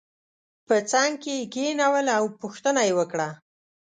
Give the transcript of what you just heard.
په څنګ کې یې کېنول او پوښتنه یې وکړه.